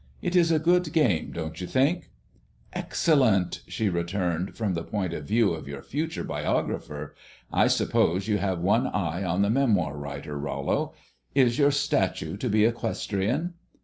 It is a good game, don't you think?" "Excellent," she returned, "from the point of view of your future biographer. I suppose you have one eye on the memoir writer, Rollo. Is your statue to be equestrian?"